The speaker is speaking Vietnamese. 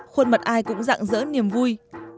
khuôn mặt ai cũng dạng dỡ niềm vui